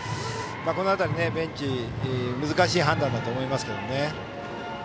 この辺りベンチ難しい判断だと思いますけどね。